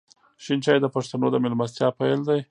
شین چای د پښتنو د میلمستیا پیل دی.